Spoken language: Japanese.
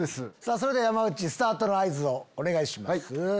それでは山内スタートの合図をお願いします。